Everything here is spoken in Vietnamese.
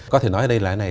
có thể nói là cái này